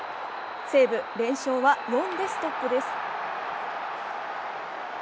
西武、連勝は４でストップです。